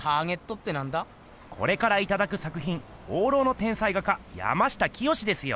これからいただくさくひん放浪の天才画家山下清ですよ。